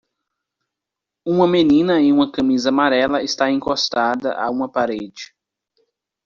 Uma menina em uma camisa amarela está encostada a uma parede.